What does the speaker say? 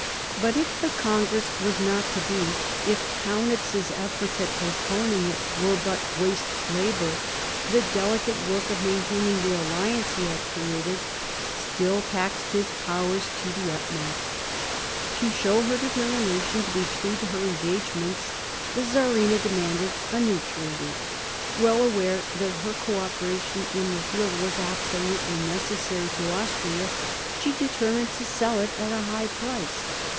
But if the congress was not to be, if Kaunitz's efforts at postponing it were but waste labour, the delicate work of maintaining the alliance he had created still >> 1757 60 THE SEVEN YEARS' WAR 168 taxed his powers to the utmost. To show her deter mination to be true to her engagements, the Czarina demanded a new treaty. Well aware that her co operation in the field was absolutely necessary to Austria, she determined to sell it at a high price.